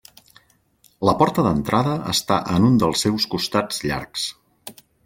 La porta d'entrada està en un dels seus costats llargs.